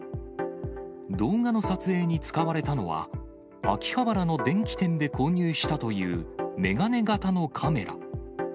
動画の撮影に使われたのは、秋葉原の電器店で購入したという眼鏡型のカメラ。